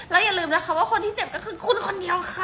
อย่าลืมนะคะว่าคนที่เจ็บก็คือคุณคนเดียวค่ะ